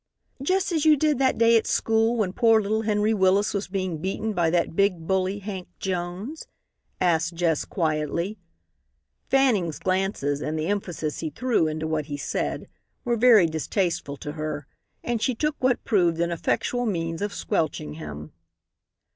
"Just as you did that day at school when poor little Henry Willis was being beaten by that big bully Hank Jones?" asked Jess, quietly. Fanning's glances, and the emphasis he threw into what he said, were very distasteful to her, and she took what proved an effectual means of squelching him.